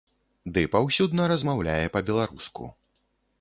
Ды паўсюдна размаўляе па-беларуску.